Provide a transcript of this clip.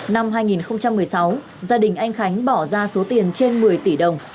năm hai nghìn một mươi sáu gia đình anh khánh bỏ ra số tiền trên một mươi tỷ đồng